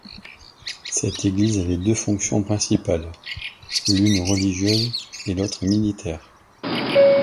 Cette église avait donc deux fonctions principales, l’une religieuse et l’autre militaire.